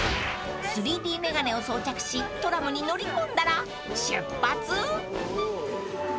［３Ｄメガネを装着しトラムに乗り込んだら出発］